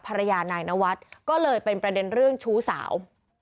ภรรยานายนวัดก็เลยเป็นประเด็นเรื่องชู้สาว